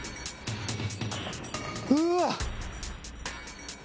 うわ。